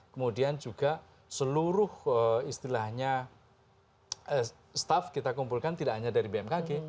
kemudian juga seluruh istilahnya staff kita kumpulkan tidak hanya dari bmkg